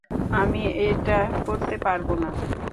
আমি এটা করতে পারব না।